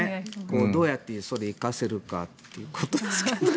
どうやってそれを生かせるかということですけど。